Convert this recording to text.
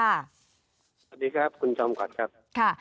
สวัสดีครับคุณจอมขวัญครับ